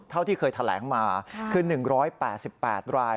เท่าที่เคยแถลงมาคือ๑๘๘ราย